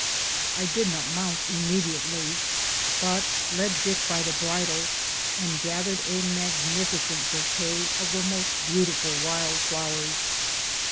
I did not mount immediately, but led Dick by the bridle, and gathered a mag nificent bouquet of the most beautiful wild flowers.